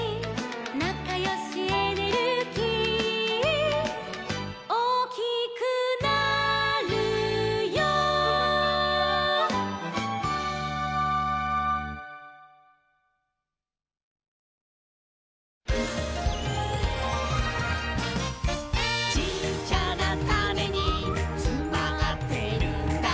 「なかよしエネルギー」「おおきくなるよ」「ちっちゃなタネにつまってるんだ」